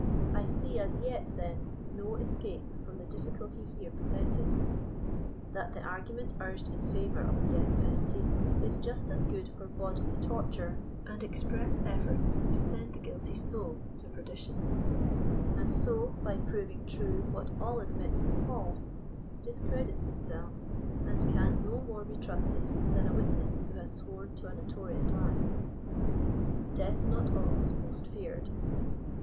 I see as yet, then, no escape from the difficulty here presented ;— that the argument urged in favor of the death penalty is just as good for bodily torture and express efR>rts to send the guilty soul to perdition ; and so, by proving true what all admit is false, discredits itself, and can no more be trusted than a witness who has sworn to a notorious lie. DEATH NOT ALWAYS MOST FEARED.